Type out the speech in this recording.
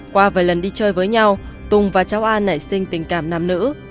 qua vài lần đi chơi với nhau tùng và cháu an nảy sinh tình cảm nam nữ